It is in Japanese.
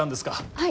はい。